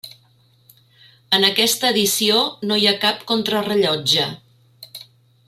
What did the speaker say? En aquesta edició no hi ha cap contrarellotge.